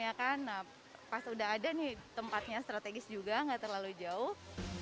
ya kan pas udah ada nih tempatnya strategis juga nggak terlalu jauh